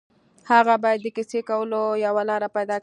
هغه باید د کیسې کولو یوه لاره پيدا کړي